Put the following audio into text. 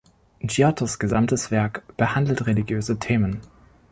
Giottos gesamtes Werk behandelt religiöse Themen.